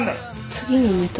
次のネタ？